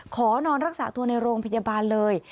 ขอนอนรักษาตัวในโรงพยาบาลเลย